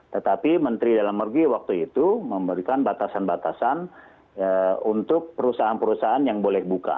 tetapi menteri dalam negeri waktu itu memberikan batasan batasan untuk perusahaan perusahaan yang boleh buka